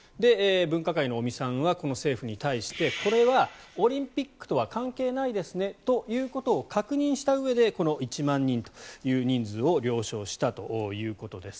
分科会の尾身さんはこの政府に対してこれはオリンピックとは関係ないですねということを確認したうえでこの１万人という人数を了承したということです。